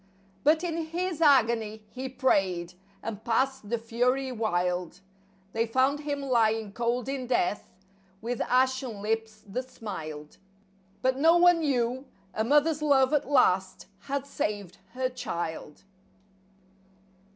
But in his agony he prayed, and passed the fury wild; They found him lying cold in death, with ashen lips that smiled. But no one knew a mother's love at last had saved her child.